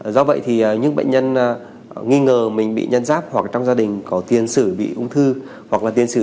do vậy thì những bệnh nhân nghi ngờ mình bị nhân giáp hoặc trong gia đình có tiền sử bị ung thư